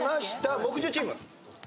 木１０チーム。